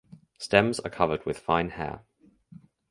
Stems are covered with fine hair.